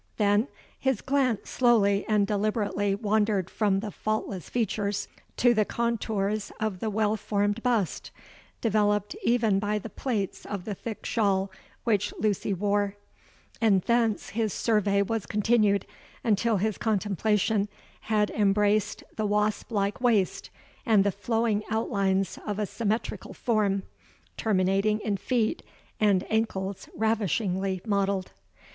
Then his glance slowly and deliberately wandered from the faultless features to the contours of the well formed bust, developed even by the plaits of the thick shawl which Lucy wore; and thence his survey was continued until his contemplation had embraced the wasp like waist, and the flowing outlines of a symmetrical form, terminating in feet and ankles ravishingly modelled.